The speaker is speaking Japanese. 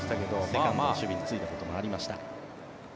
セカンドの守備に就いたこともありました。